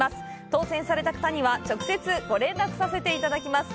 当せんされた方には、直接、ご連絡させていただきます。